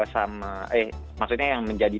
sama eh maksudnya yang menjadi